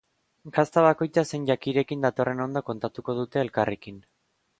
Gazta bakoitza zein jakirekin datorren ondo kontatuko dute elkarrekin.